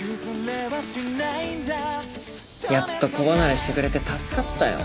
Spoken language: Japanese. やっと子離れしてくれて助かったよ。